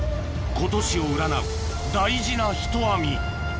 今年を占う大事なひと網